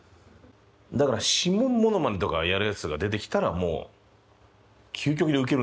だから指紋モノマネとかやるやつとか出てきたらもう究極にウケるんでしょうけどね。